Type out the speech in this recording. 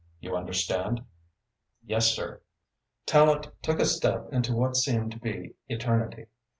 You understand?" "Yes, sir!" Tallente took a step into what seemed to be Eternity.